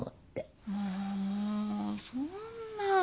もそんな。